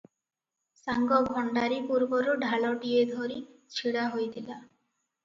ସାଙ୍ଗ ଭଣ୍ତାରୀ ପୂର୍ବରୁ ଢାଳଟିଏ ଧରି ଛିଡ଼ାହୋଇଥିଲା ।